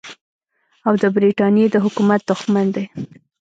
او د برټانیې د حکومت دښمن دی.